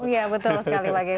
iya betul sekali pagi